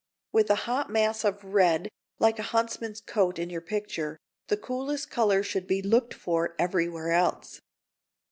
With a hot mass of red like a huntsman's coat in your picture, the coolest colour should be looked for everywhere else.